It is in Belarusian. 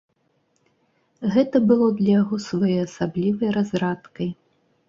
Гэта было для яго своеасаблівай разрадкай.